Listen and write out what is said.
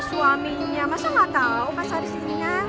suaminya masa gak tau pasar sininya